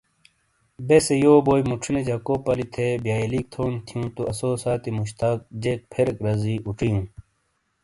بیسے یو بوئی موچھینے جکو پلی تھے بئیلیک تھون تھیوں تو آسو ساتی مشتاق جیک فریک رزی اوچیوں ۔